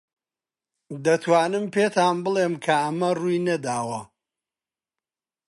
دەتوانم پێتان بڵێم کە ئەمە ڕووی نەداوە.